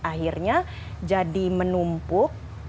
akhirnya jadi menumpuk